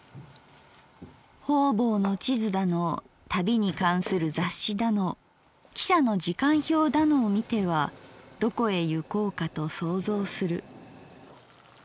方々の地図だの旅に関する雑誌だの汽車の時間表だのをみてはどこへゆこうかと想像する」。